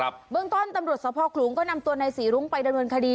เบื้องต้นตำรวจสภขลุงก็นำตัวนายศรีรุ้งไปดำเนินคดี